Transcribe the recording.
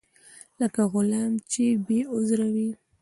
لکه غلام چې بې عذره وي.